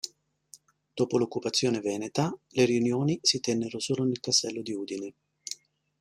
Dopo l'occupazione veneta le riunioni si tennero solo nel castello di Udine.